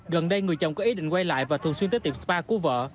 gần đây người chồng có ý định quay lại và thường xuyên tới tiệm spa của vợ